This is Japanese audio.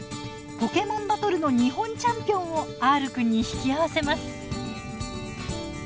ポケモンバトルの日本チャンピオンをＲくんに引き合わせます。